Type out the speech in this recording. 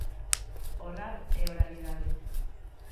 O rap é oralidade.